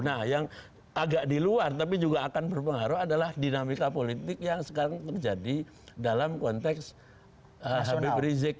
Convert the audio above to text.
nah yang agak di luar tapi juga akan berpengaruh adalah dinamika politik yang sekarang terjadi dalam konteks habib rizik